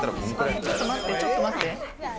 ちょっと待って。